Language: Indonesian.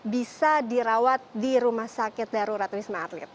bisa dirawat di rumah sakit darurat wisma atlet